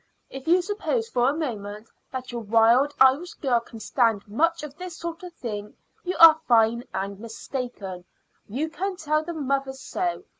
If you suppose for a moment that your wild Irish girl can stand much of this sort of thing, you are fine and mistaken, and you can tell the mother so.